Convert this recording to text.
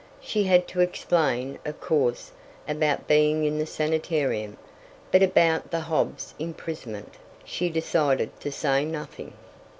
She had to explain, of course, about being in the sanitarium, but about the Hobbs imprisonment, she decided to say nothing.